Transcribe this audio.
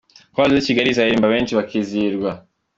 Chorale de Kigali iraririmba benshi bakizihirwa.